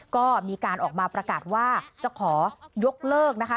ก็มีการออกมาประกาศว่าจะขอยกเลิกนะคะ